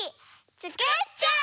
つくっちゃおう！